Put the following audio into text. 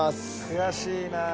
悔しいなあ。